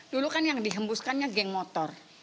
dulu kan yang dihembuskannya geng motor